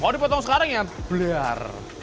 kalau dipotong sekarang ya biar